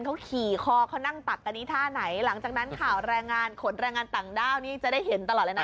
เขาขี่คอเขานั่งตัดตอนนี้ท่าไหนหลังจากนั้นข่าวแรงงานขนแรงงานต่างด้าวนี่จะได้เห็นตลอดเลยนะ